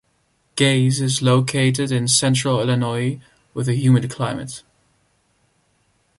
Gays is located in Central Illinois, with a humid climate.